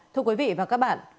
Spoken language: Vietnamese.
thưa quý vị và các bạn